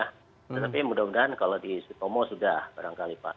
tapi mudah mudahan kalau di sitomo sudah barangkali pak